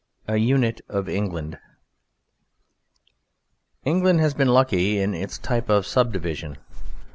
A UNIT OF ENGLAND England has been lucky in its type of subdivision.